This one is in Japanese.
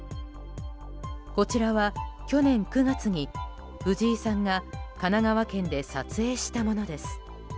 こちらは去年９月に藤井さんが神奈川県で撮影したものです。